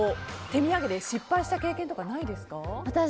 手土産で失敗した経験はないですか？